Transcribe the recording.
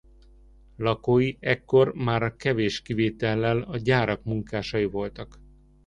Lakói ekkor már kevés kivétellel a gyárak munkásai voltak.